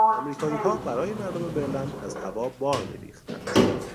امریکاییها برای مردم برلن از هوا بار میریختند.